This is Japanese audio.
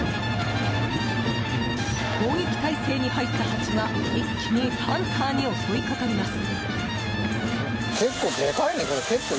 攻撃態勢に入ったハチが一気にハンターに襲いかかります。